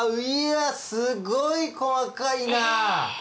すごい細かいな！